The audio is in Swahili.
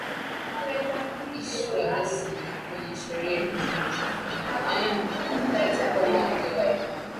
ishwa rasmi kwenye sherehe zilizofanyika katika uwaja wa amani